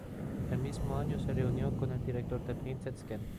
El mismo año se reunió con el director de "Painted Skin".